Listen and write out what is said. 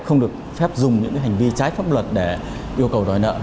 không được phép dùng những hành vi trái pháp luật để yêu cầu đòi nợ